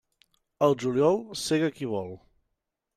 Al juliol sega qui vol.